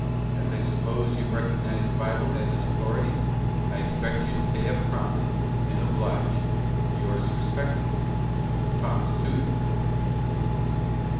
As I suppose you recognize the Bible as an authority, I expect you to pay up promptly, and oblige, Yours respectfully, THOMAS TUDOR."